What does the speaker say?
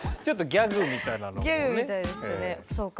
ギャグみたいでしたね。